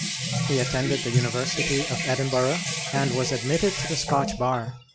He attended the University of Edinburgh and was admitted to the Scotch bar.